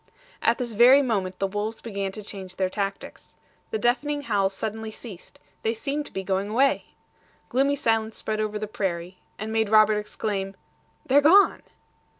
At this very moment the wolves began to change their tactics. The deafening howls suddenly ceased: they seemed to be going away. Gloomy silence spread over the prairie, and made Robert exclaim: "They're gone!"